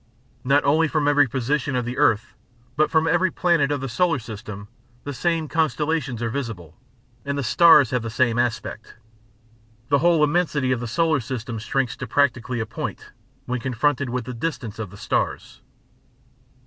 Not only from every position of the earth, but from every planet of the solar system, the same constellations are visible, and the stars have the same aspect. The whole immensity of the solar system shrinks to practically a point when confronted with the distance of the stars.